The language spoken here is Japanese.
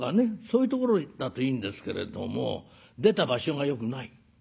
そういうところだといいんですけれども出た場所がよくない。